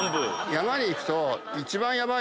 山に行くと。